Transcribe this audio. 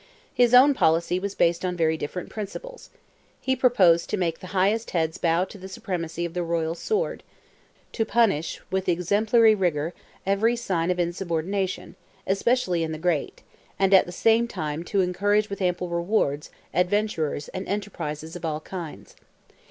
His own policy was based on very different principles. He proposed to make the highest heads bow to the supremacy of the royal sword—to punish with exemplary rigour every sign of insubordination, especially in the great—and, at the same time, to encourage with ample rewards, adventurers, and enterprises of all kinds.